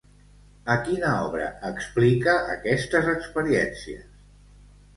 A quina obra explica aquestes experiències?